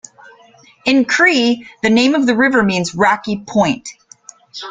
In Cree the name of the river means "rocky point".